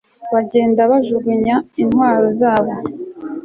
bagenda bajugunyanga intwaro zabo